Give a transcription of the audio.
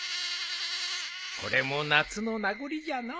これも夏の名残じゃのう。